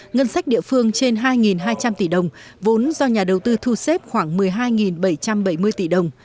ngân sách địa phương trên hai hai trăm linh tỷ đồng vốn do nhà đầu tư thu xếp khoảng một mươi hai bảy trăm bảy mươi tỷ đồng